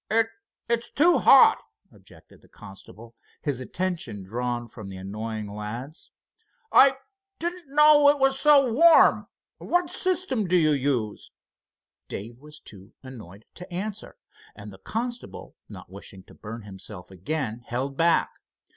"It—it's too hot," objected the constable, his attention drawn from the annoying lads. "I didn't know it was so warm. What system do you use?" Dave was too annoyed to answer, and the constable, not wishing to burn himself again, held back.